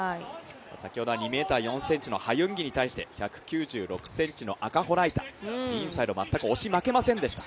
先ほどは２ｍ４ｃｍのハ・ユンギに対して１９６ｃｍの赤穂雷太、インサイド全く押し負けませんでした。